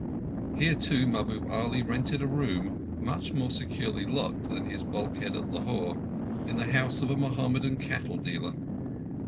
Here, too, Mahbub Ali rented a room, much more securely locked than his bulkhead at Lahore, in the house of a Mohammedan cattle dealer.